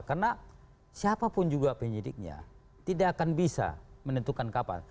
karena siapapun juga penyidiknya tidak akan bisa menentukan kapan